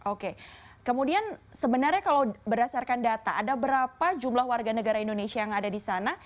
oke kemudian sebenarnya kalau berdasarkan data ada berapa jumlah warga negara indonesia yang ada di sana